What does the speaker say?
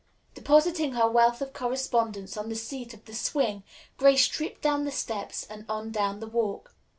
Depositing her wealth of correspondence on the seat of the swing, Grace tripped down the steps and on down the walk.